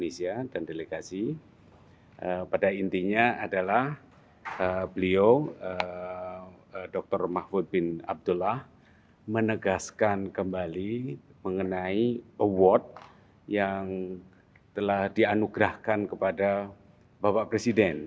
pertanyaannya adalah beliau dr mahfud bin abdullah menegaskan kembali mengenai award yang telah dianugerahkan kepada bapak presiden